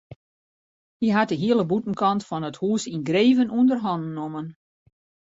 Hy hat de hiele bûtenkant fan it hús yngreven ûnder hannen nommen.